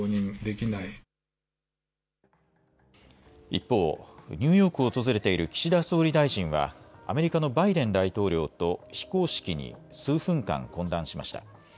一方、ニューヨークを訪れている岸田総理大臣はアメリカのバイデン大統領と非公式に数分間、懇談しました。